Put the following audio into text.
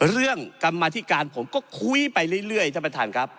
กรรมาธิการผมก็คุยไปเรื่อยท่านประธานครับ